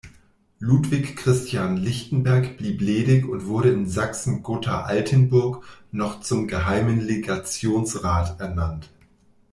Ludwig Christian Lichtenberg blieb ledig und wurde in Sachsen-Gotha-Altenburg noch zum „Geheimen Legationsrat“ ernannt.